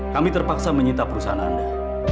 kami terpaksa menyita perusahaan anda